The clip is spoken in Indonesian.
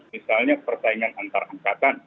misalnya pertahingan antara angkatan